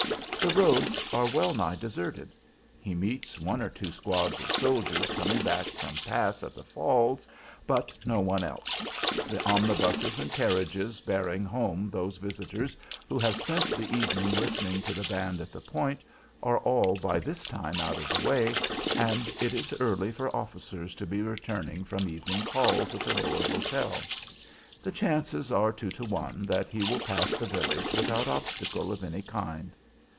The roads are well nigh deserted. He meets one or two squads of soldiers coming back from "pass" at the Falls, but no one else. The omnibuses and carriages bearing home those visitors who have spent the evening listening to the band at the Point are all by this time out of the way, and it is early for officers to be returning from evening calls at the lower hotel. The chances are two to one that he will pass the village without obstacle of any kind.